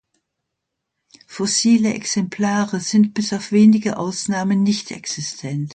Fossile Exemplare sind bis auf wenige Ausnahmen nicht existent.